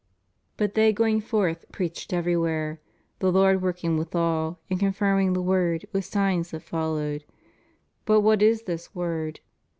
But they going forth preached everywhere: the Lord working withal, and confirming the word with signs that followed.'' But what is this word?